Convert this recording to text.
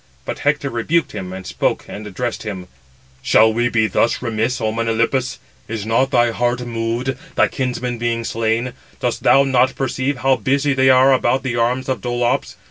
But Hector rebuked him; and spoke and addressed him: "Shall we be thus remiss, O Melanippus? Is not thy heart moved, thy kinsman being slain? Dost thou not perceive how busy they are about the arms of Dolops?